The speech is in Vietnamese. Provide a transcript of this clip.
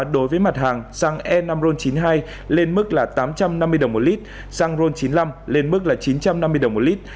đối với mặt hàng xăng e năm ron chín mươi hai lên mức là tám trăm năm mươi đồng một lít xăng ron chín mươi năm lên mức là chín trăm năm mươi đồng một lít